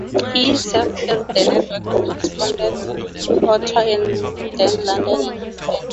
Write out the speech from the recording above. He served as the network's correspondent in Ottawa and then London, England.